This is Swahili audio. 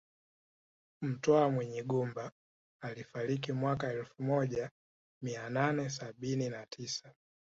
Mtwa Munyigumba alifariki mwaka wa elfu moja mia nane sabini na tisa